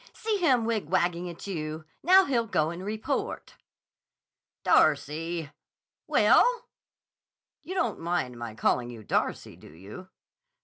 "See him wigwagging at you! Now he'll go and report." "Darcy!" "Well?" "You don't mind my calling you Darcy, do you?"